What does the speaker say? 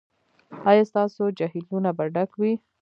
ایا ستاسو جهیلونه به ډک وي؟